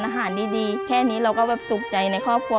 อาหารดีแค่นี้เราก็แบบสุขใจในครอบครัว